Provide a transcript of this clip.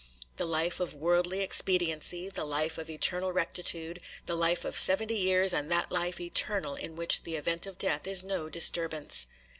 The life of worldly expediency, the life of eternal rectitude,—the life of seventy years, and that life eternal in which the event of death is no disturbance.